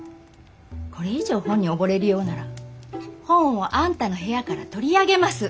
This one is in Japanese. これ以上本に溺れるようなら本をあんたの部屋から取り上げます！